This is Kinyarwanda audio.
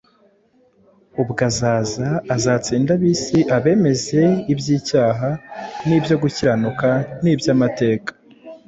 Ubwo azaza, azatsinda ab’isi, abemeze iby’icyaha n’ibyo gukiranuka n’iby’amateka